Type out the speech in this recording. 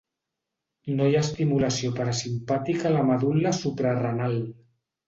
No hi ha estimulació parasimpàtica a la medul·la suprarenal.